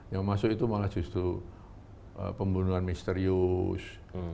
yang masuk itu malah justru pembunuhan misterius